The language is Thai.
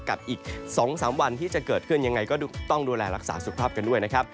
กับอีก๒๓วันที่จะเกิดขึ้นยังไงก็ต้องดูแลรักษาสุขภาพกันด้วยนะครับ